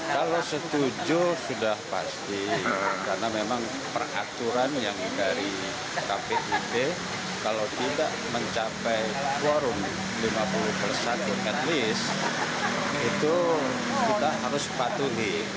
kalau setuju sudah pasti karena memang peraturan yang dari kpip kalau tidak mencapai quorum lima puluh persatu at least itu kita harus patuhi